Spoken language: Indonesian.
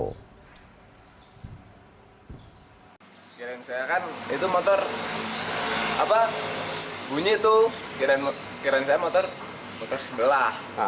kira kira saya kan itu motor apa bunyi itu kira kira saya motor sebelah